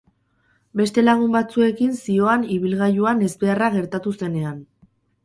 Beste lagun batzuekin zihoan ibilgailuan ezbeharra geratu zenean.